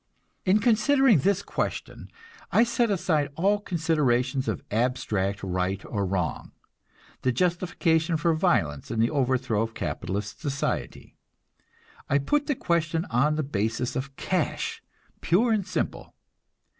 In considering this question, I set aside all considerations of abstract right or wrong, the justification for violence in the overthrow of capitalist society. I put the question on the basis of cash, pure and simple.